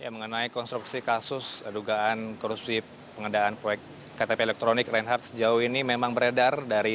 mengenai konstruksi kasus kedugaan korupsi pengendahan proyek ktp elektronik reinhardt sejauh ini memang beredar